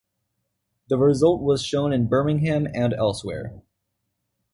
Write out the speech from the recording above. The result was shown in Birmingham and elsewhere.